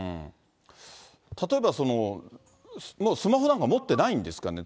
例えばその、スマホなんか持ってないんですかね。